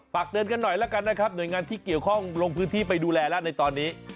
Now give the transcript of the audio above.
ฝากเตือนกันหน่อยแล้วกันนะครับหน่วยงานที่เกี่ยวข้องลงพื้นที่ไปดูแลแล้วในตอนนี้